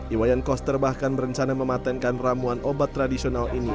iwayan koster bahkan berencana mematenkan ramuan obat tradisional ini